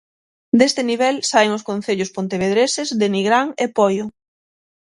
Deste nivel saen os concellos pontevedreses de Nigrán e Poio.